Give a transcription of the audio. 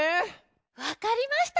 わかりました！